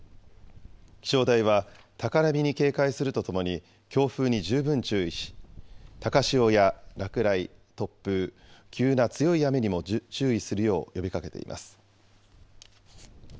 気象台は高波に警戒するとともに、強風に十分注意し、高潮や落雷、突風、急な強い雨にも注意するよう呼びかけています。